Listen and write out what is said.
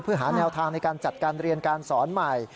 เพื่อหาแนวทางในการจัดการเรียนการสอนใหม่